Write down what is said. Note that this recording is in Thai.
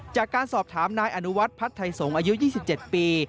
จากการสอบถามนายอนุวัฒน์พัฒนไทยสงฆ์อายุ๒๗ปี